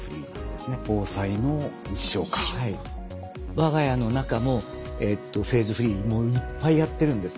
我が家の中もフェーズフリーいっぱいやってるんです。